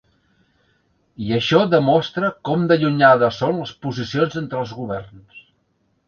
I això demostra com d’allunyades són les posicions entre els governs.